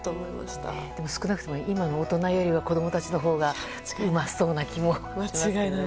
ただ、少なくとも今の大人より子供たちのほうがうまそうな気も。